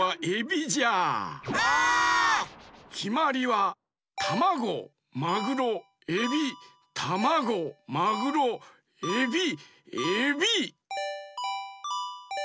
きまりはタマゴマグロエビタマゴマグロエビエビ！